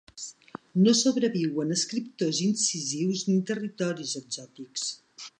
No sobreviuen escriptors incisius ni territoris exòtics.